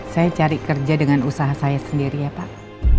saya cari kerja dengan usaha saya sendiri ya pak